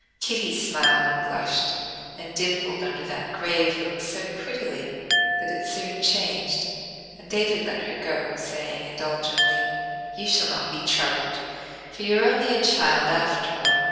Kitty smiled and blushed, and dimpled under that grave look so prettily that it soon changed, and David let her go, saying indulgently: "You shall not be troubled, for you are only a child after all.